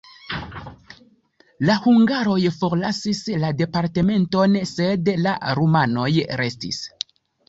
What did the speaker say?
La hungaroj forlasis la departementon, sed la rumanoj restis.